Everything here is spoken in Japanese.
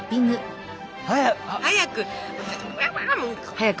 早く！